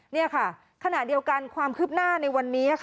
นี่ค่ะขณะเดียวกันความคืบหน้าในวันนี้